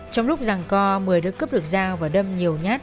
trong lúc giằng co một mươi đứa cướp được dao và đâm nhiều nhát